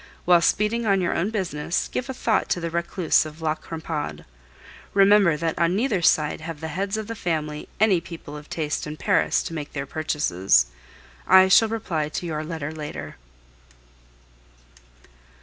While speeding on your own business, give a thought to the recluse of La Crampade. Remember that on neither side have the heads of the family any people of taste in Paris to make their purchases. I shall reply to your letter later.